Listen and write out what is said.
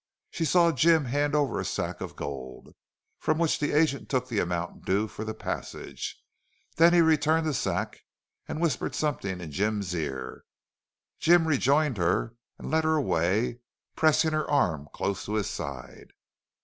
She saw Jim hand over a sack of gold, from which the agent took the amount due for the passage. Then he returned the sack and whispered something in Jim's ear. Jim rejoined her and led her away, pressing her arm close to his side.